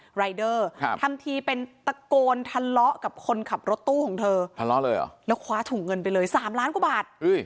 ครับทำทีเป็นตะโกนทันเลาะกับคนขับรถตู้ของเธอทันเลาะเลยอ่ะแล้วคว้าถุงเงินไปเลยสามล้านกว่าบาทอุ้ย